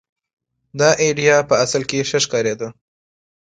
دا اېډیا په اصل کې ښه ښکارېده.